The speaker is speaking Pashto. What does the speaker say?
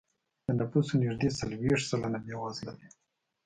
د نفوسو نږدې څلوېښت سلنه بېوزله دی.